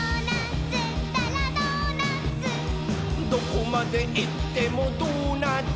「どこまでいってもドーナツ！」